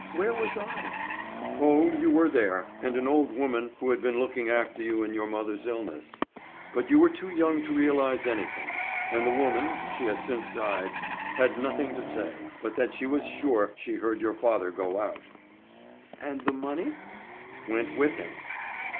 Where was I?" "Oh, you were there, and an old woman who had been looking after you in your mother's illness. But you were too young to realize anything, and the woman—she has since died—had nothing to say, but that she was sure she heard your father go out." "And the money?" "Went with him."